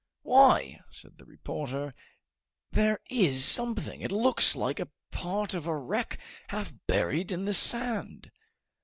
"Why," said the reporter, "there is something. It looks like part of a wreck half buried in the sand."